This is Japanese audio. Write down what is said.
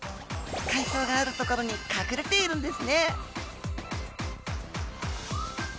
海藻がある所に隠れているんですね。